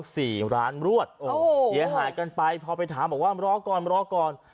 สี่ร้านรวดโอ้โหเสียหายกันไปพอไปถามบอกว่ารอก่อนรอก่อน